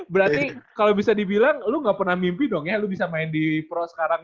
berarti kalau bisa dibilang lu gak pernah mimpi dong ya lu bisa main di pro sekarang